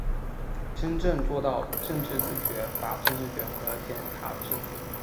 真正做到政治自觉、法治自觉和检察自觉